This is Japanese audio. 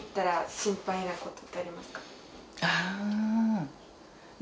あ。